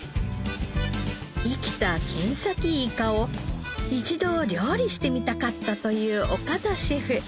生きたケンサキイカを一度料理してみたかったという岡田シェフ。